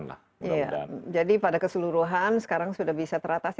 iya jadi pada keseluruhan sekarang sudah bisa teratasi